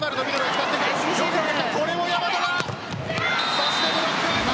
そしてブロック。